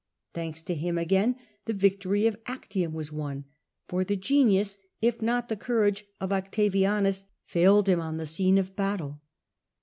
Thanks to him again the victory of Actium was won, for the genius if not the courage of Octavianus failed him on the scene of battle.